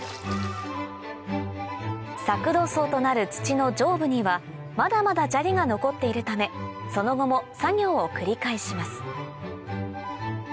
作土層となる土の上部にはまだまだ砂利が残っているためその後も作業を繰り返します